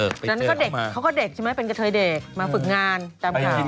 เขาก็เด็กใช่ไหมเป็นกระเทศเด็ก